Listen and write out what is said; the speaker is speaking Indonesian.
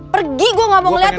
pergi gue gak mau ngeliat